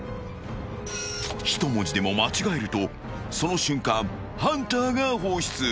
［一文字でも間違えるとその瞬間ハンターが放出］